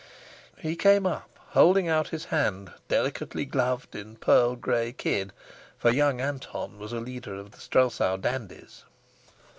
He came up, holding out his hand delicately gloved in pearl gray kid, for young Anton was a leader of the Strelsau dandies.